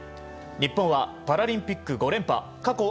日本はパラリンピック５連覇過去